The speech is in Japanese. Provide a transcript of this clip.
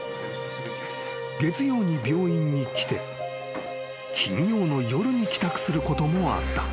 ［月曜に病院に来て金曜の夜に帰宅することもあった］